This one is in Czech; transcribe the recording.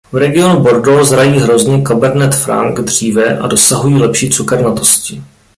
V regionu Bordeaux zrají hrozny "Cabernet Franc" dříve a dosahují lepší cukernatosti.